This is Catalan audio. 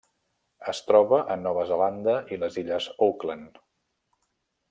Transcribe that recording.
Es troba a Nova Zelanda i les Illes Auckland.